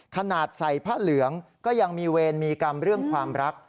ขนาดใส่ผ้าเหลืองก็ยังมีเวรมีกรรมเรื่องความรัก